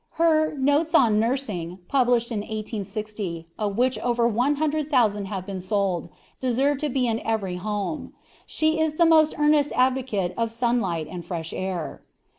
Her Notes on Nursing, published in 1860, of which over one hundred thousand have been sold, deserve to be in every home. She is the most earnest advocate of sunlight and fresh air.